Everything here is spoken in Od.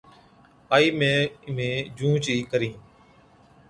’آئِي اِمهين مين جھُونچ ئِي ڪرهِين‘۔